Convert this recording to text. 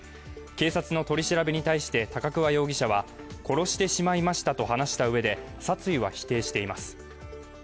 警察の取り調べに対して高梨容疑者は殺してしまいましたと話したうえで殺意は否定しています。